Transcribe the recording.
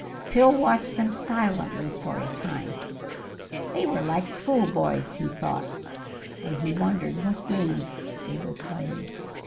Phil watched them silently for a time. They were like school boys, he thought, and he wondered what game they were playing.